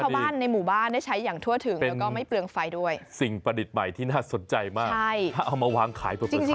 ผมว่าดีเป็นสิ่งประดิษฐ์ใหม่ที่น่าสนใจมากถ้าเอามาวางขายเป็นสายดีดี